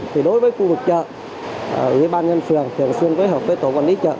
thì đối với khu vực chợ ủy ban nhân phường thường xuyên phối hợp với tổ quản lý chợ